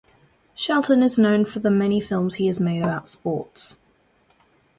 Shelton is known for the many films he has made about sports.